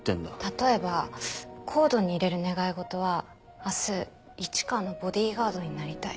例えばＣＯＤＥに入れる願い事は「明日市川のボディーガードになりたい」。